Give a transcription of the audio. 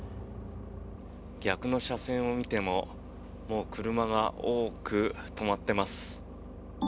逆の車線を見てももう車が多く止まってます。